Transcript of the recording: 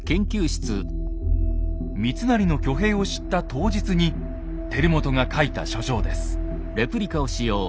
三成の挙兵を知った当日に輝元が書いた書状です。